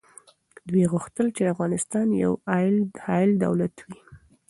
دوی غوښتل چي افغانستان یو حایل دولت وي.